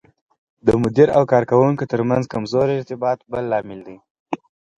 د مدیر او کارکوونکو ترمنځ کمزوری ارتباط بل لامل دی.